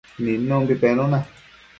nidnumbi penuna